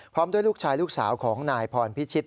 ด้วยลูกชายลูกสาวของนายพรพิชิต